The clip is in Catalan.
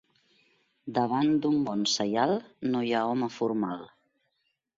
Davant d'un bon saial no hi ha home formal.